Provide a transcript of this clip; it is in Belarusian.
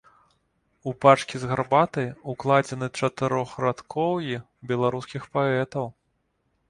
У пачкі з гарбатай укладзены чатырохрадкоўі беларускіх паэтаў.